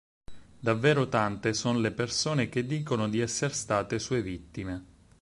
Davvero tante son le persone che dicono di esser state sue vittime.